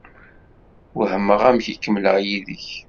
Wehmeɣ amek i kemmleɣ yid-k.